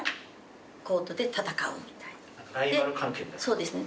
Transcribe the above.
そうですね。